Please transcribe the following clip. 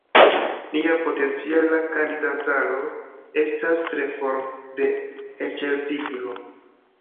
Nia potenciala kandidataro estas tre for de elĉerpiĝo.